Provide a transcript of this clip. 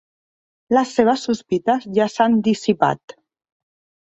Les seves sospites ja s'han dissipat.